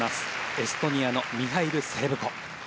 エストニアのミハイル・セレブコ。